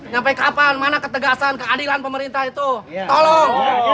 sampai kapan mana ketegasan keadilan pemerintah itu tolong